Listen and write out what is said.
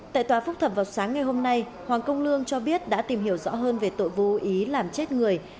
tại tòa phúc thẩm vào sáng ngày hôm nay hoàng công lương cho biết đã tìm hiểu rõ hơn về tội vô ý làm chết người